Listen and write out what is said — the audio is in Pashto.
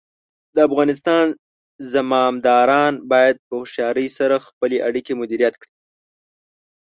د افغانستان زمامداران باید په هوښیارۍ سره خپلې اړیکې مدیریت کړي.